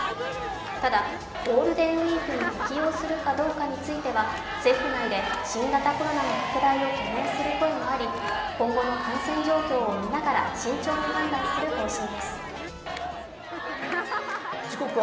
ただ、ゴールデンウイークに適用するかどうかについては政府内で新型コロナの拡大を懸念する声もあり、今後の感染状況を見ながら慎重に判断する方針です。